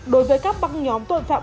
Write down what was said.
đối với các băng nhóm tội phạm